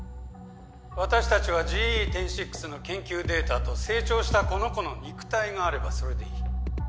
私たちはＧＥ１０．６の研究データと成長したこの子の肉体があればそれでいい。